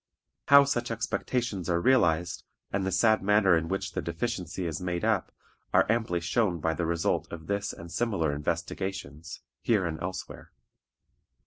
How such expectations are realized, and the sad manner in which the deficiency is made up, are amply shown by the result of this and similar investigations, here and elsewhere.